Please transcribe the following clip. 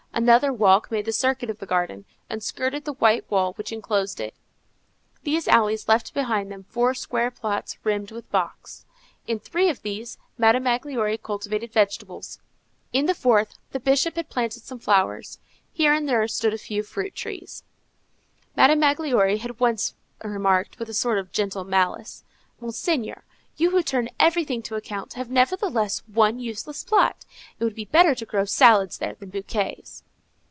Another walk made the circuit of the garden, and skirted the white wall which enclosed it. These alleys left behind them four square plots rimmed with box. In three of these, Madame Magloire cultivated vegetables; in the fourth, the Bishop had planted some flowers; here and there stood a few fruit trees. Madame Magloire had once remarked, with a sort of gentle malice: "Monseigneur, you who turn everything to account, have, nevertheless, one useless plot. It would be better to grow salads there than bouquets."